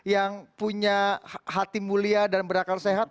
yang punya hati mulia dan berakal sehat